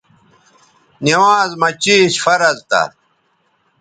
نِوانز مہ چیش فرض تھا